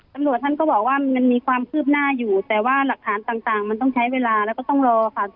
ตำรวจท่านก็บอกว่ามันมีความคืบหน้าอยู่แต่ว่าหลักฐานต่างมันต้องใช้เวลาแล้วก็ต้องรอค่ะ